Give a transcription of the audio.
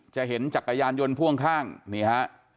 จะเห็นจักรยานยนต์ผู้ข้างดังนี้ฮะ